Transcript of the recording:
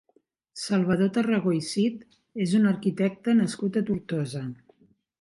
Salvador Tarragó i Cid és un arquitecte nascut a Tortosa.